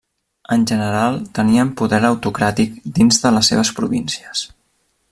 En general, tenien poder autocràtic dins de les seves províncies.